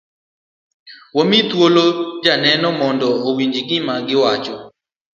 Wami thuolo joneneo mondo wawinj gima giwacho.